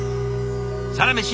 「サラメシ」